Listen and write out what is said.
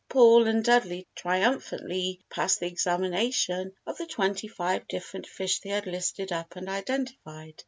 Paul and Dudley triumphantly passed the examination of the twenty five different fish they had listed up and identified.